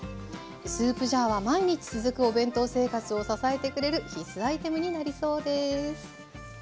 スープジャーは毎日続くお弁当生活を支えてくれる必須アイテムになりそうです。